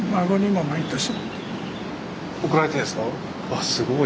あっすごい。